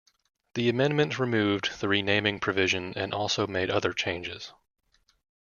The amendment removed the renaming provision and also made other changes.